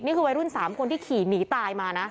วัยรุ่น๓คนที่ขี่หนีตายมานะ